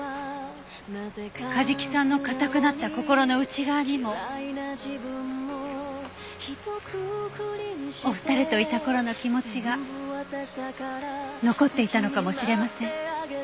梶木さんの硬くなった心の内側にもお二人といた頃の気持ちが残っていたのかもしれません。